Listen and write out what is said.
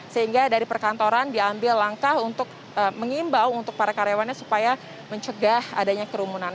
sehingga dari perkantoran diambil langkah untuk mengimbau untuk para karyawannya supaya mencegah adanya kerumunan